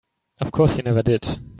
Of course you never did.